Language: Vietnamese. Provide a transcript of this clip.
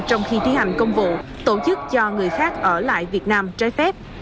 để thi hành công vụ tổ chức cho người khác ở lại việt nam trái phép